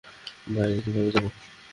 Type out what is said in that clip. বাইরে কীভাবে যাব?